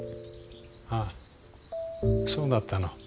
あそうだったの。